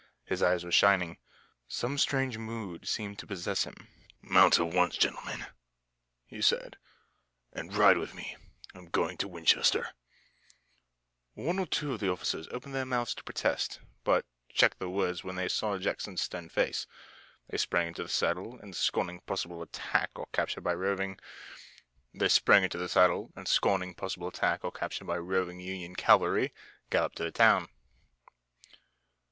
His eyes were shining. Some strange mood seemed to possess him. "Mount at once, gentlemen," he said, "and ride with me. I'm going to Winchester." One or two of the officers opened their mouths to protest, but checked the words when they saw Jackson's stern face. They sprang into the saddle, and scorning possible attack or capture by roving Union cavalry, galloped to the town.